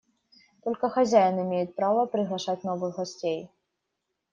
Только хозяин имеет право приглашать новых гостей.